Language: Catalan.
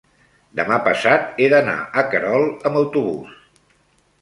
demà passat he d'anar a Querol amb autobús.